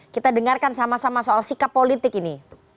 kita dengarkan sama sama soal sikap politik ini